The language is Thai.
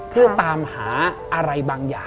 เพื่อตามหาอะไรบางอย่าง